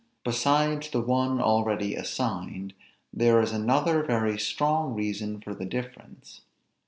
Besides the one already assigned, there is another very strong reason for the difference.